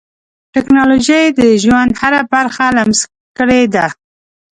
ټکنالوجي د ژوند هره برخه لمس کړې ده.